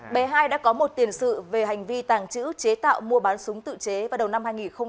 bé hai đã có một tiền sự về hành vi tàng trữ chế tạo mua bán súng tự chế vào đầu năm hai nghìn một mươi ba